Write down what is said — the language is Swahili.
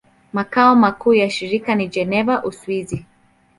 Makao makuu ya shirika ni Geneva, Uswisi.